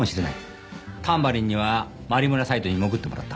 タンバリンには真梨邑サイドに潜ってもらった。